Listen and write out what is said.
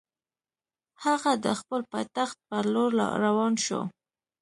هغه د خپل پایتخت پر لور روان شو.